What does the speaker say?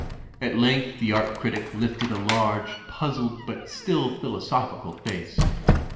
At length the art critic lifted a large, puzzled but still philosophical face.